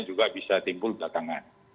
juga bisa timbul belakangan